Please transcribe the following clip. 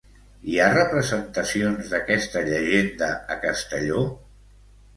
Hi ha representacions d'aquesta llegenda a Castelló?